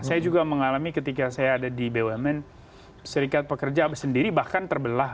saya juga mengalami ketika saya ada di bumn serikat pekerja sendiri bahkan terbelah